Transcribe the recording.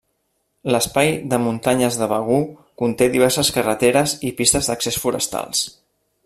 L'Espai de Muntanyes de Begur conté diverses carreteres i pistes d’accés forestals.